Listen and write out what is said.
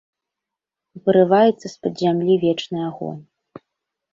Вырываецца з-пад зямлі вечны агонь.